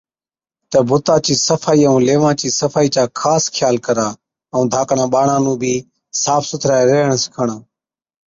تہ بُتا چِي صفائِي ائُون ليوان چِي صفائِي چا خاص خيال ڪرا ائُون ڌاڪڙان ٻاڙان نُون بِي صاف سُٿرَي ريهڻ سِکاڻا۔